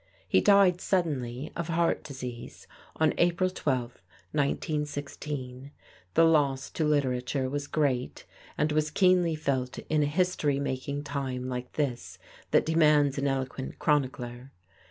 He died suddenly of heart disease on April 12, 1916. The loss to literature was great and was keenly felt in a history making time like this that demands an eloquent chronicler.